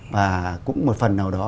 và cũng một phần nào đó